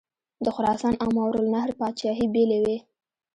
د خراسان او ماوراءالنهر پاچهي بېلې وې.